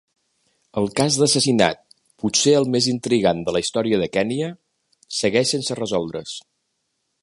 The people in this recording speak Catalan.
El cas d'assassinat, potser el més intrigant de la història de Kenya, segueix sense resoldre's.